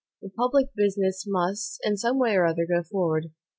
The public business must, in some way or other, go forward.